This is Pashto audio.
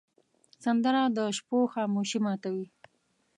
سندره د شپو خاموشي ماتوې